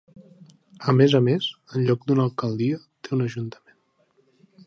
A més a més, en lloc d'una alcaldia té un ajuntament.